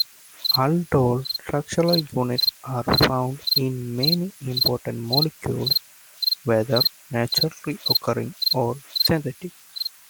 Aldol structural units are found in many important molecules, whether naturally occurring or synthetic.